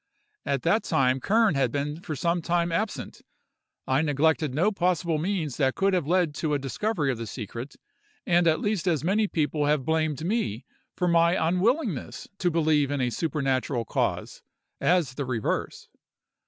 At that time Kern had been for some time absent. I neglected no possible means that could have led to a discovery of the secret; and at least as many people have blamed me for my unwillingness to believe in a supernatural cause as the reverse.